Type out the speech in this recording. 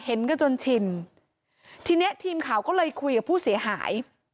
เห็นกันจนชินทีเนี้ยทีมข่าวก็เลยคุยกับผู้เสียหาย